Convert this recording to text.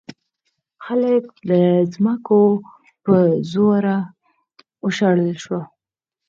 خلک له ځمکو په زوره وشړل شول.